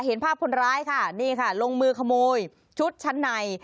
เห็นภาพคนร้ายค่ะนี่ค่ะลงมือขโมยชุดชั้นใน